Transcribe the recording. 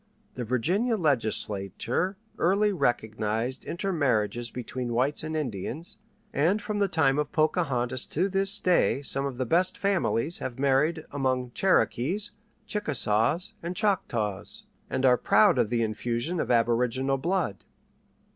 The Virginia legislature early recognized intermarriages between whites and Indians, and from the time of Pocahontas to this day some of the best families have married among Cherokees, Chickasaws, and Choctaws, and are proud of the infusion of aboriginal blood.